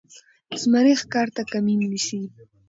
زمری ښکار ته کمین نیسي.